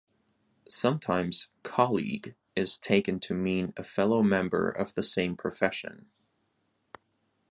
Sometimes "colleague" is taken to mean a fellow member of the same profession.